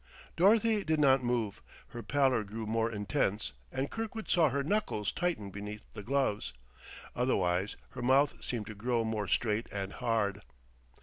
Dorothy did not move; her pallor grew more intense and Kirkwood saw her knuckles tighten beneath the gloves. Otherwise her mouth seemed to grow more straight and hard.